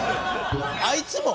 あいつも？